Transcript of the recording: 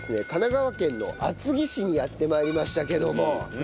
神奈川県の厚木市にやって参りましたけども